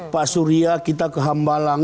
pak surya kita ke hambalang